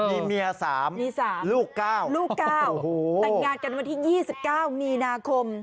มีเมียสามมีสามลูกเก้าลูกเก้าโอ้โหแต่งงานกันวันที่ยี่สิบเก้ามีนาคม